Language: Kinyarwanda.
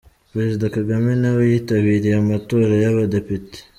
Perezida Kagame nawe yitabiriye amatora y’abadepite.